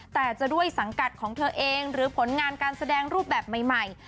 แต่จะด้วยสังกัดของเธอเองหรือผลงานการแสดงรูปแบบใหม่